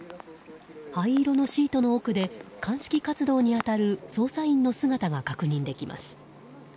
灰色のシートの奥で鑑識活動に当たる捜査員の姿が確認できます。